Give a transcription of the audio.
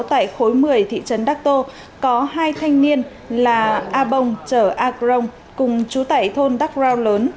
tại khối một mươi thị trấn đắc tô có hai thanh niên là a bông chở a grong cùng chú tại thôn đắc rau lớn